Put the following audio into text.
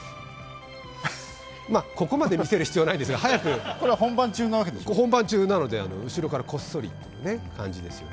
ここまで見せる必要ないですが本番中なので、後ろからこっそりという感じですよね。